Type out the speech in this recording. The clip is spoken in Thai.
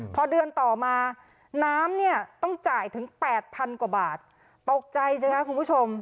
เพราะเดือนต่อมาน้ำเนี้ยต้องจ่ายถึงแปดพันกว่าบาทปกใจใช่ไหมครับคุณผู้ชม